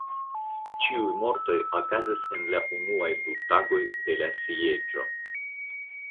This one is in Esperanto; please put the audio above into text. Ĉiuj mortoj okazis en la unuaj du tagoj de la sieĝo.